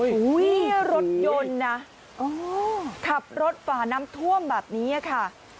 นี่รถยนต์นะขับรถฝ่าน้ำท่วมแบบนี้ค่ะ